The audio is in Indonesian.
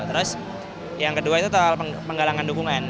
terus yang kedua itu soal penggalangan dukungan